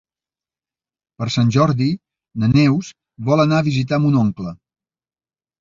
Per Sant Jordi na Neus vol anar a visitar mon oncle.